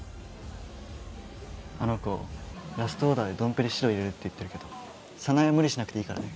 あの子ラストオーダーでドンペリ白入れるって言ってるけどさなえは無理しなくていいからね。